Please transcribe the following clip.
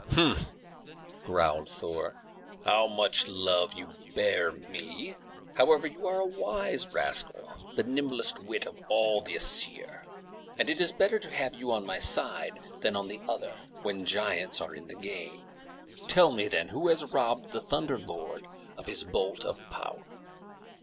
"Humph!" growled Thor. "Much love you bear to me! However, you are a wise rascal, the nimblest wit of all the Æsir, and it is better to have you on my side than on the other, when giants are in the game. Tell me, then: who has robbed the Thunder Lord of his bolt of power?"